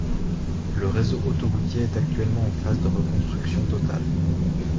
Le réseau autoroutier est actuellement en phase de reconstruction totale.